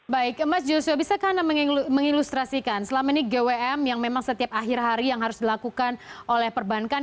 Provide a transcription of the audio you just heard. baik mas joshua bisakah anda mengilustrasikan selama ini gwm yang memang setiap akhir hari yang harus dilakukan oleh perbankan